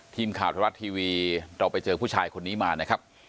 ทีมข่าวธรรมรัฐทีวีเราไปเจอผู้ชายคนนี้มานะครับ